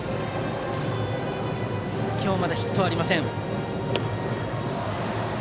今日はまだヒットはありません。